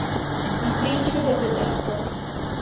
Il principe del deserto